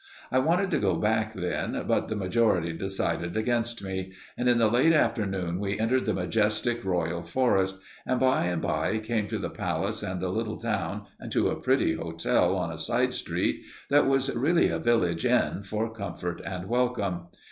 I wanted to go back, then, but the majority decided against me, and in the late afternoon we entered the majestic royal forest, and by and by came to the palace and the little town and to a pretty hotel on a side street, that was really a village inn for comfort and welcome.